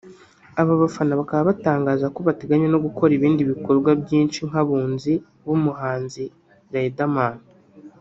Aba bafana bakaba batangaza ko bateganya no gukora ibindi bikorwa byinshi nk’abunzi b’umuhanzi Riderman